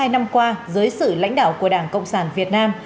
chín mươi hai năm qua dưới sự lãnh đạo của đảng cộng sản việt nam